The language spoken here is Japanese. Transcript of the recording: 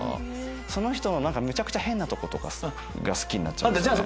その人のめちゃくちゃ変なとことかが好きになっちゃって。